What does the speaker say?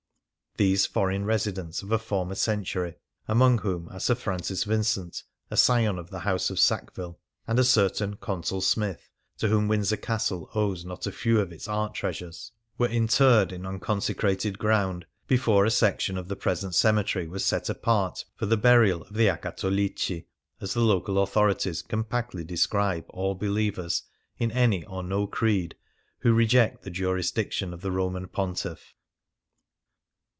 These foreign residents of a former century, among whom are Sir Francis Vincent, a scion of the House of Sackville, and a certain " Consul Smith,"' to whom Windsor Castle owes not a io6 The Lagoon few of its art treasures, were interred in un coiisecrated ground, before a section of the present cemetery was set apart for the burial of Acattolici, as the local authorities compactly describe all believers in any or no creed who reject the jurisdiction of the Roman Pontiff.